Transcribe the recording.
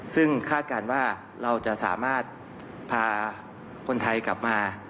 ซึ่งคาดการณ์ว่าเราจะสามารถพาคนไทยกลับมา